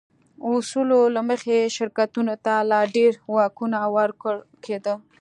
اصولو له مخې شرکتونو ته لا ډېر واکونه ورکول کېده.